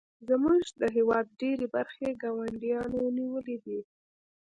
زموږ د هیواد ډیرې برخې ګاونډیانو نیولې دي